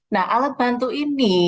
nah alat bantu ini